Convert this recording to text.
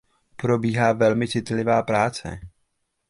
Probíhá velmi citlivá práce.